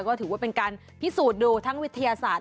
ก็ถือว่าเป็นการพิสูจน์ดูทั้งวิทยาศาสตร์